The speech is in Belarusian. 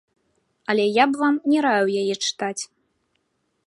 Але я б вам не раіў яе чытаць.